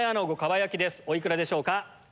お幾らでしょうか？